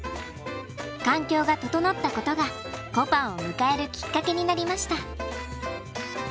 環境が整ったことがこぱんを迎えるきっかけになりました。